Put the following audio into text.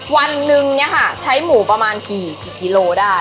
วันหนึ่งใช้หมูประมาณกี่กิโลได้